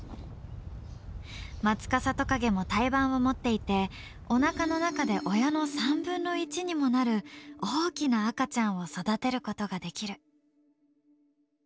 マツカサトカゲも胎盤を持っていておなかの中で親の３分の１にもなる大きな赤ちゃんを育てることができる。